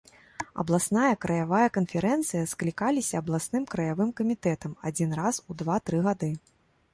Абласная, краявая канферэнцыя склікаліся абласным, краявым камітэтам адзін раз у два-тры гады.